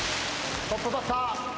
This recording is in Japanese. トップバッター。